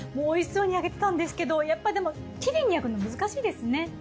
美味しそうに焼けてたんですけどやっぱりでもきれいに焼くの難しいですね。